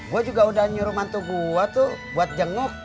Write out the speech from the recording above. gua juga udah nyuruh mantu gua tuh buat jenguk